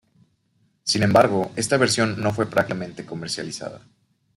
Sin embargo, esta versión no fue prácticamente comercializada.